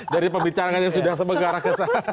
dari pembicaraan yang sudah sebegara ke sana